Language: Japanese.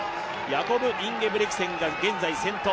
ヤコブ・インゲブリクセンが現在先頭。